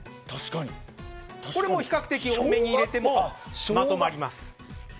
これも比較的多めに入れてもまとまります。